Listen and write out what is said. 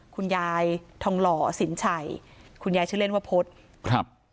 คุณยายทองหล่อสินชัยคุณยายชื่อเล่นว่าพจน์ครับ